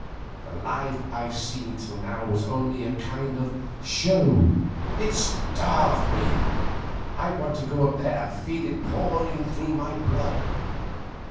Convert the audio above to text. The life I've seen till now was only a kind of show. It starved me. I want to go up there and feel it pouring through my blood.